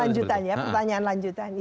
lanjutan ya pertanyaan lanjutan